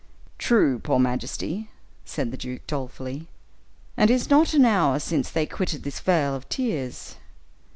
"True, poor majesty," said the duke, dolefully, "and it is not an hour since they quitted this vale of tears.